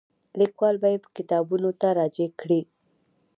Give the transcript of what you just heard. لیکوال به یې کتابونو ته راجع کړي.